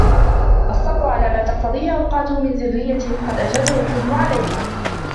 الصَّبْرُ عَلَى مَا تَقْتَضِيهِ أَوْقَاتُهُ مِنْ رَزِيَّةٍ قَدْ أَجْهَدَهُ الْحُزْنُ عَلَيْهَا